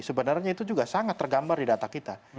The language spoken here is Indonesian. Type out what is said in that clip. sebenarnya itu juga sangat tergambar di data kita